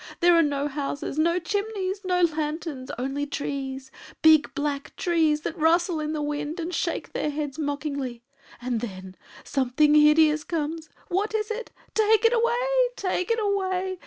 There are no houses, no chimneys, no lanterns, only trees big, black trees that rustle in the wind, and shake their heads mockingly. And then something hideous comes! What is it? Take it away! Take it away!